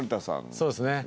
そうですね